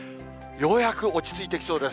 ようやく落ち着いてきそうです。